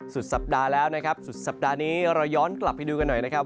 สุดสัปดาห์แล้วนะครับสุดสัปดาห์นี้เราย้อนกลับไปดูกันหน่อยนะครับ